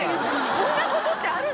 こんなことってあるの？